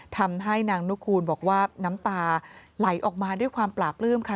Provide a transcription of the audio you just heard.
ทำให้นางนุคูณบอกว่าน้ำตาไหลออกมาด้วยความปลาปลื้มค่ะ